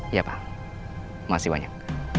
iya pak masih banyak